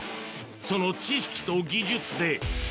その知識と技術で。